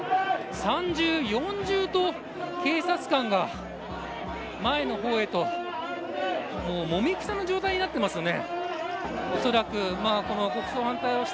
三重、四重と警察官が前の方へともみくちゃの状態になっていますね。